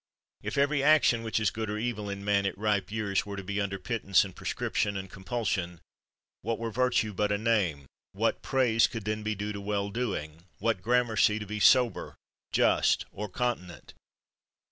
If every action, which is good or evil in man at ripe years, were to be under pittance and prescrip tion, and compulsion, what were virtue but a name, what praise could be then due to well doing, what gramercy to be sober, just, or continent